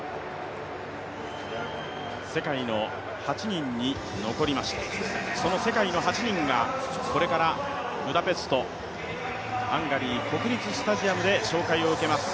世界の８人に残りました、その世界の８人がこれからブダペストハンガリー国立スタジアムで声をかけられます。